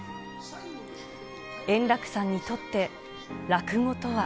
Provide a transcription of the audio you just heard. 円楽さんにとって、落語とは。